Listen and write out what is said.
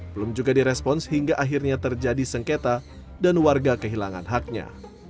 belum juga direspons hingga akhirnya terjadi sengketa dan warga kehilangan haknya